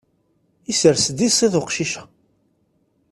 Isers-d iṣiḍ uqcic-a.